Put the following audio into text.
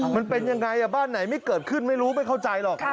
มันเป็นยังไงบ้านไหนไม่เกิดขึ้นไม่รู้ไม่เข้าใจหรอก